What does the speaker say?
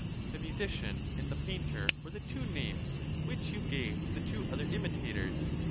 The musician and the painter were the two names which you gave to the two other imitators.